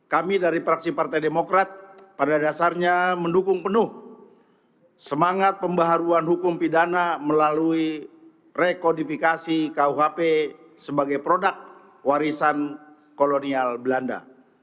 kami dari praksi partai demokrat pada dasarnya mendukung penuh semangat pembaharuan hukum pidana melalui rekodifikasi kuhp sebagai produk warisan kolonial belanda